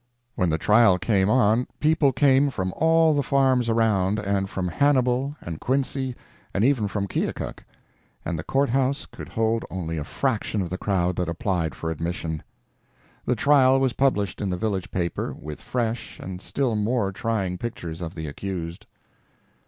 When the trial came on, people came from all the farms around, and from Hannibal, and Quincy, and even from Keokuk; and the court house could hold only a fraction of the crowd that applied for admission. The trial was published in the village paper, with fresh and still more trying pictures of the accused.